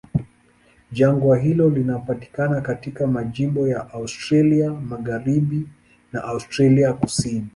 Jangwa hilo linapatikana katika majimbo ya Australia Magharibi na Australia Kusini.